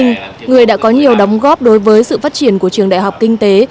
nhưng người đã có nhiều đóng góp đối với sự phát triển của trường đại học kinh tế